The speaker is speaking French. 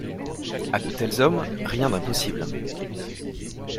A de tels hommes, rien d'impossible